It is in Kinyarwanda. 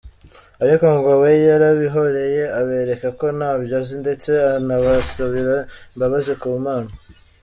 Ariko ngo we yarabihoreye abereka ko ntabyo azi ndetse anabasabira imbabazi ku Mana.